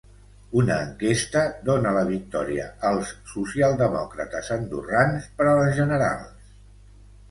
Una enquesta dóna la victòria als socialdemòcrates andorrans per a les generals.